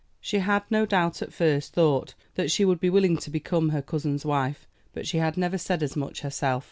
She had, no doubt, at first thought that she would be willing to become her cousin's wife, but she had never said as much herself.